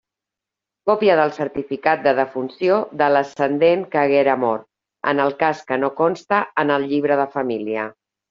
Còpia del certificat de defunció de l'ascendent que haguera mort, en el cas que no conste en el llibre de família.